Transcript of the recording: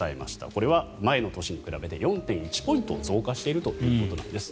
これは前の年に比べて４．１ポイント増加しているということです。